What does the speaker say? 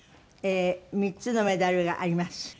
３つのメダルがあります。